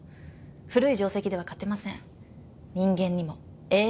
古い定跡では勝てません人間にもＡＩにも。